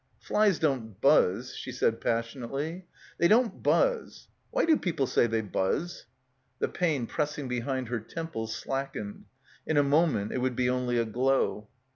"Flies don't buzz" she said passionately. "They don't buzz. Why do people say they buzz?" The pain pressing behind her temples slackened. In a moment it would be only a glow.